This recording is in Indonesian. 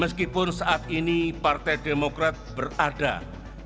meskipun saat ini partai demokrat berada di luar perusahaan sosial